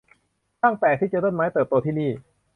ช่างแปลก ที่เจอต้นไม้เติบโตที่นี้ !